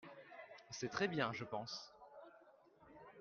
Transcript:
C'est très bien, je pense.